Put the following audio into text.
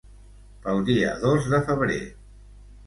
Pel dia dos de febrer.